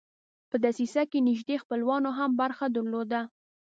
په دسیسه کې نیژدې خپلوانو هم برخه درلوده.